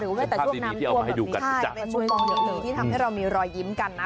หรือว่าแต่ช่วงน้ำที่เอามาให้ดูกันใช่มีที่ทำให้เรามีรอยยิ้มกันนะ